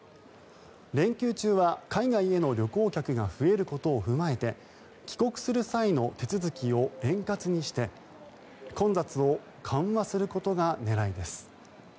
連休中は海外への旅行客が増えることを踏まえて帰国する際の手続きを円滑にして混雑を緩和することが狙いです。